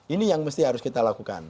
ini yang mesti harus kita lakukan